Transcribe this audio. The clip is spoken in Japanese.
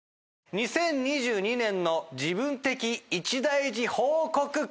２０２２年の自分的イチ大事報告会！